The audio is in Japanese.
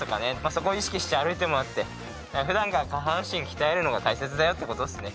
そこ意識して歩いてもらって普段から下半身鍛えるのが大切だよってことですね。